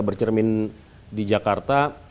bercermin di jakarta